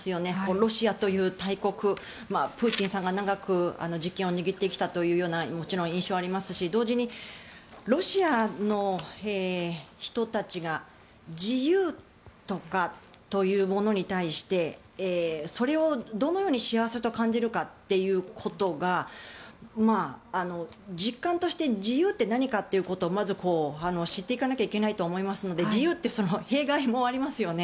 ロシアという大国プーチンさんが長く実権を握ってきたという印象がありますし同時にロシアの人たちが自由とかというものに対してそれをどのように幸せと感じるかということが実感として自由って何かということをまず知っていかないといけないと思いますので自由って弊害もありますよね。